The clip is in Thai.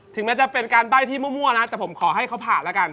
แม้จะเป็นการใบ้ที่มั่วนะแต่ผมขอให้เขาผ่านแล้วกัน